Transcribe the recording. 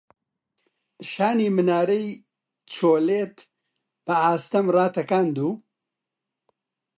شانی منارەی چۆلیت بە ئاستەم ڕاتەکاند و